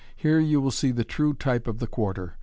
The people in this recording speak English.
Here you will see the true type of the Quarter.